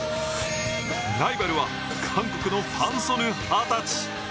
ライバルは韓国のファン・ソヌ二十歳。